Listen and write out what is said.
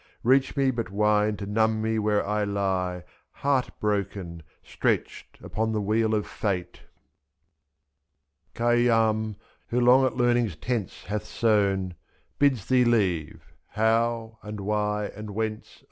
2/^. Reach me but wine to numb me where I lie Heart broken, stretched upon the wheel of Fate. 86 Khayyam, who long at learning's tents hath sewn. Bids thee leave How? and Why? and Whence?